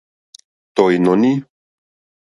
Tɔ̀ ìnɔ̀ní.